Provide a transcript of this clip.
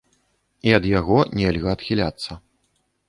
І ад яго нельга адхіляцца.